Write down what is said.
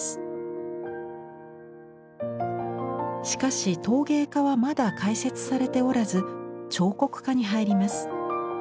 しかし陶芸科はまだ開設されておらず彫刻科に入ります。